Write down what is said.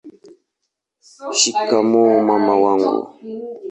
shikamoo mama wangu